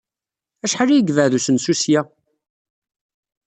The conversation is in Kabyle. Acḥal ay yebɛed usensu seg-a?